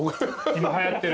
今はやってる。